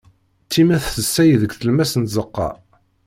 Times tessaɣ deg tlemmast n tzeqqa.